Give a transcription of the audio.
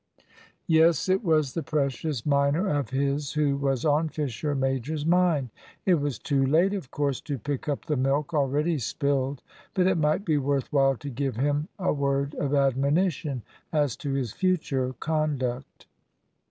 Yes; it was this precious minor of his who was on Fisher major's mind. It was too late, of course, to pick up the milk already spilled. But it might be worth while to give him a word of admonition as to his future conduct.